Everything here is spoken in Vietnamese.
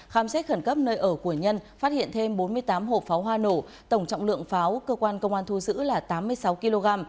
khám xét khẩn cấp nơi ở của nhân phát hiện thêm bốn mươi tám hộp pháo hoa nổ tổng trọng lượng pháo cơ quan công an thu giữ là tám mươi sáu kg